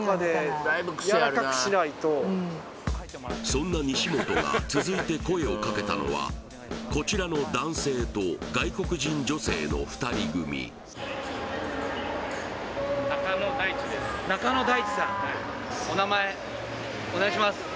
そんな西本が続いて声をかけたのはこちらの男性と外国人女性の２人組中野大地さん